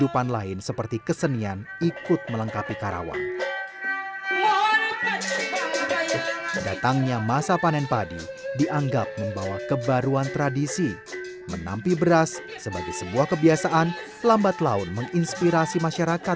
pada perkembangan ini tarikh khas umumnya kebudayaan pesisir